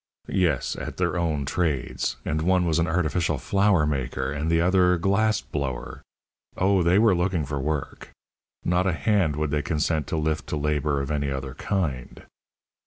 "Yes, at their own trades. And one was an artificial flower maker, and the other a glass blower. Oh, they were looking for work! Not a hand would they consent to lift to labour of any other kind."